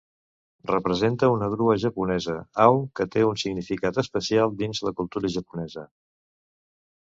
Representa una grua japonesa, au que té un significat especial dins la cultura japonesa.